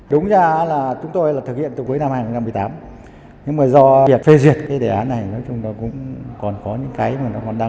đúng ra là chúng tôi là thực hiện từ cuối năm hai nghìn một mươi tám nhưng mà do việc phê duyệt cái đề án này nói chung nó cũng còn có những cái mà nó còn đang